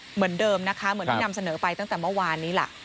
เหมือนเดิมนะคะเหมือนที่นำเสนอไปตั้งแต่เมื่อวานนี้ล่ะ